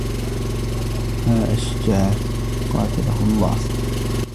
مَا أَشْجَعَهُ قَاتَلَهُ اللَّهُ